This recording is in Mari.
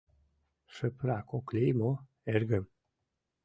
— Шыпрак ок лий мо, эргым?